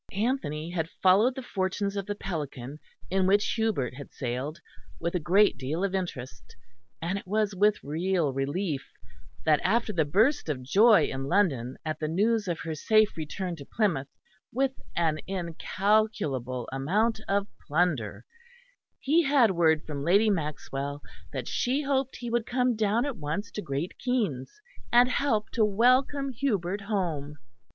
Anthony had followed the fortunes of the Pelican, in which Hubert had sailed, with a great deal of interest: and it was with real relief that after the burst of joy in London at the news of her safe return to Plymouth with an incalculable amount of plunder, he had word from Lady Maxwell that she hoped he would come down at once to Great Keynes, and help to welcome Hubert home.